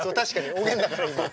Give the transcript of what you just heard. おげんだから今。